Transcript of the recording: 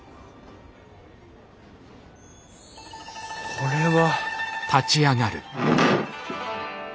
これは。